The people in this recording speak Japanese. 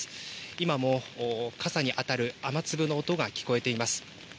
今も傘に当たる雨粒の音が聞こえています。